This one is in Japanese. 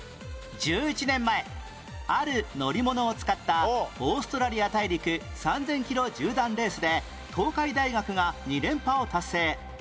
１１年前ある乗り物を使ったオーストラリア大陸３０００キロ縦断レースで東海大学が２連覇を達成